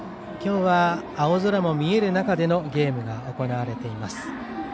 今日は青空も見える中でのゲームが行われています。